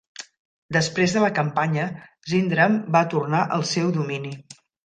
Després de la campanya, Zyndram va tornar al seu domini.